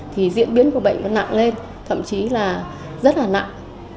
thì diễn biến của bệnh nó nặng lên thậm chí là rất là nặng